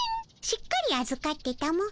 しっかりあずかってたも。